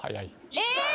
え！